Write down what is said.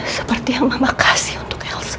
seperti yang mama kasih untuk elsa